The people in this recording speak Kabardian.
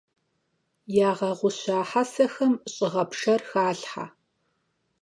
Ягъэгъуща хьэсэхэм щӀыгъэпшэр халъхьэ.